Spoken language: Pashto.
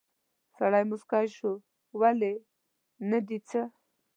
سړی موسکی شو: ولې، نه دي څه؟